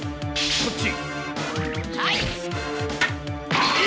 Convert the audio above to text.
こっち！